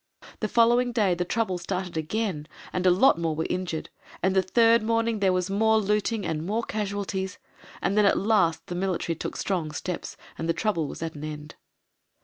The following day the trouble started again, and a lot more were injured, and the third morning there was more looting and more casualties, and then at last the military took strong steps and the trouble was at an end.